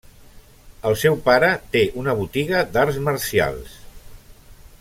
El seu pare té una botiga d'arts marcials.